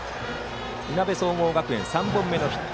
いなべ総合学園、３本目のヒット。